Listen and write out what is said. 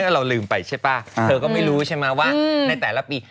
เราลืมไปใช่ป่ะเธอก็ไม่รู้ใช่ไหมว่าในแต่ละปี